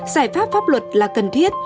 giải pháp pháp luật là cần thiết